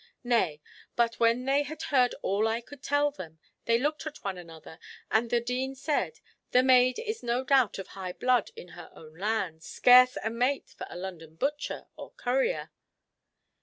Nay! But when they had heard all I could tell them, they looked at one another, and the Dean said, 'The maid is no doubt of high blood in her own land—scarce a mate for a London butcher or currier."